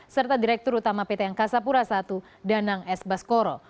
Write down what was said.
serta direktur utama pt angkasa pura i danang s baskoro